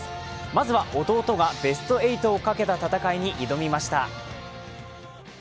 まずは弟がベスト８をかけた戦いに挑みました。